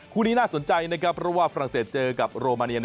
คู่นี้น่าสนใจนะครับเพราะว่าฝรั่งเศสเจอกับโรมาเนีย